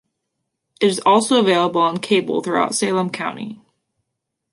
It is also available on cable throughout Salem County.